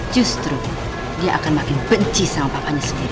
justru dia akan makin benci sama papanya sendiri